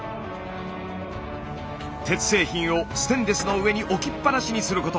鉄製品をステンレスの上に置きっぱなしにすること。